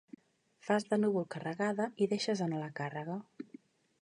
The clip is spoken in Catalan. Fas de núvol carregada i deixes anar la càrrega.